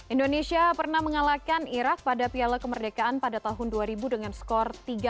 indonesia pernah mengalahkan irak pada piala kemerdekaan pada tahun dua ribu dengan skor tiga